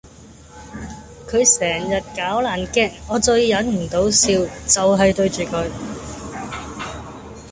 佢成日搞爛 gag 我最忍唔到笑就係對住佢